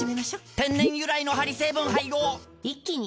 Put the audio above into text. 天然由来のハリ成分配合一気に！